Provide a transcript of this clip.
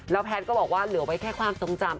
แพทย์ก็บอกว่าเหลือไว้แค่ความทรงจำ